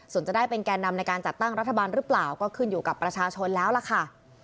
ส่วนจะได้เป็นแก่นำในการจัดตั้งรัฐบาลหรือเปล่าก็ขึ้นอยู่กับประชาชนแล้วล่ะค่ะ